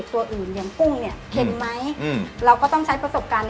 ตรงนี้เราต้องใช้ประสบการณ์